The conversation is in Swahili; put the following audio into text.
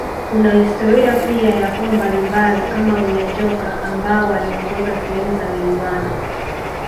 Kuna historia pia ya koo mbalimbali kama Unyanjoka ambao waliongoza sehemu za Wilwana